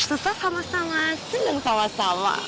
susah sama sama seneng sama sama